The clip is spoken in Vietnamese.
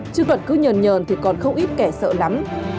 chứ còn cứ nhờn nhờn thì còn không ít kẻ sợ lắm